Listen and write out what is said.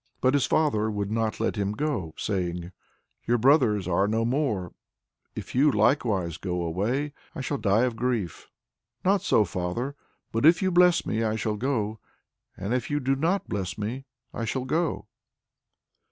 But his father would not let him go, saying, "Your brothers are no more; if you likewise go away, I shall die of grief." "Not so, father. But if you bless me I shall go; and if you do not bless me I shall go."